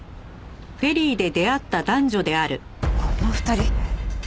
この２人。